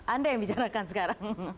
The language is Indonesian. anda yang bicarakan sekarang